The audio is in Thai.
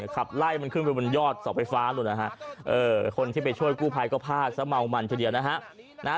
ขับไล่มันขึ้นไปบนยอดสอบไฟฟ้าคนที่ไปช่วยกู้ภัยก็พลาดซะเมามันเฉยนะฮะ